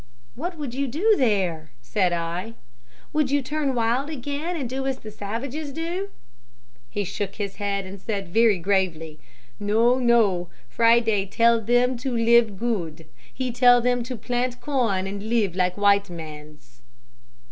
'What would you do there,' said I? 'Would you turn wild again and do as the savages do?' He shook his head and said very gravely, 'No, no, Friday tell them to live good. He tell them to plant corn and live like white mans.'